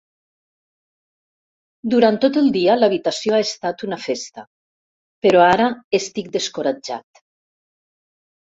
Durant tot el dia l'habitació ha estat una festa, però ara estic descoratjat.